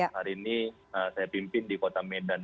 hari ini saya pimpin di kota medan